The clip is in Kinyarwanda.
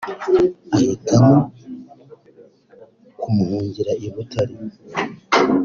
ahitamo kumuhungira i Butare